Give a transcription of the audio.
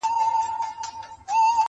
تور مولوي به په شیطانه ژبه -